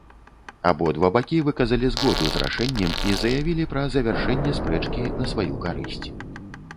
Абодва бакі выказалі згоду з рашэннем і заявілі пра завяршэнне спрэчкі на сваю карысць.